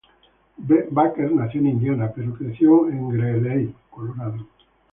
Baker nació en Indiana pero creció en Greeley, Colorado.